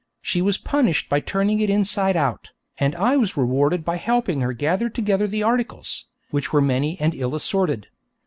She was punished by turning it inside out, and I was rewarded by helping her gather together the articles, which were many and ill assorted.